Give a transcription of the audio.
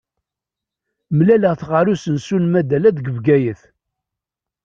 Mlaleɣ-t ɣur usensu n Madala, deg Bgayet.